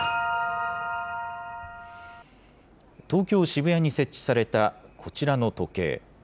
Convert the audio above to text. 東京・渋谷に設置された、こちらの時計。